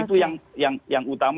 itu yang utama